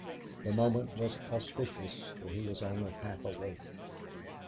The moment was auspicious, for he was only half awake.